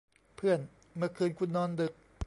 เพื่อน เมื่อคืนคุณนอนดึก